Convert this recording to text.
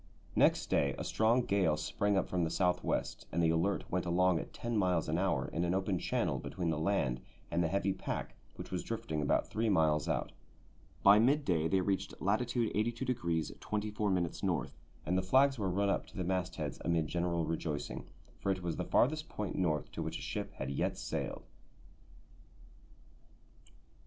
Next day a strong gale sprang up from the south west, and the Alert went along at ten miles an hour in an open channel between the land and the heavy pack which was drifting about three miles out. By midday they reached latitude 82° 24' N., and the flags were run up to the mastheads amid general rejoicing, for it was the farthest point North to which a ship had yet sailed.